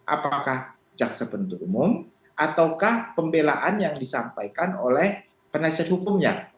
apakah jaksa penuntut umum ataukah pembelaan yang disampaikan oleh penasihat hukumnya